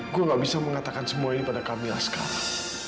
gue gak bisa mengatakan semua ini pada camilla sekarang